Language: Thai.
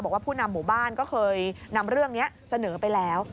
ผู้นำหมู่บ้านก็เคยนำเรื่องนี้เสนอไปแล้ว